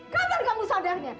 kamu gak mau sadarnya